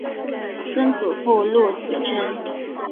曾祖父陆子真。